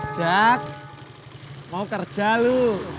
jak mau kerja lu